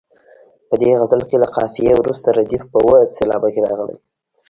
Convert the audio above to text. په دې غزل کې له قافیې وروسته ردیف په اوه سېلابه کې راغلی.